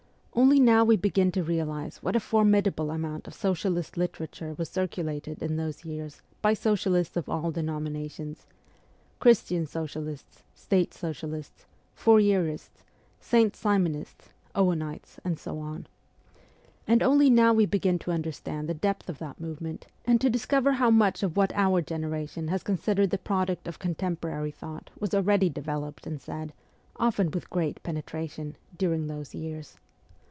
Only now we begin to realize what a formidable amount of socialist literature was circulated in those years by socialists of all denominations, Christian socialists, State socialists, Fourierists, Saint Simonists, Owenites, and so on ; and only now we begin to under stand the depth of that movement, and to discover how much of what our generation has considered the pro duct of contemporary thought was already developed and said often with great penetration during those years.